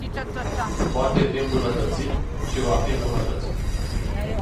Poate fi îmbunătățit - și va fi îmbunătățit.